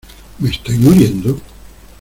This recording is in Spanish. ¿ me estoy muriendo?